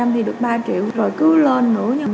ba mươi thì được ba triệu rồi cứ lên nữa